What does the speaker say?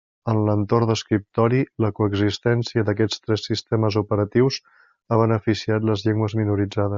En l'entorn d'escriptori, la coexistència d'aquests tres sistemes operatius ha beneficiat les llengües minoritzades.